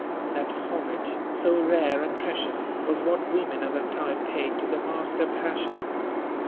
That homage, so rare and precious, was what women of her type paid to the master passion.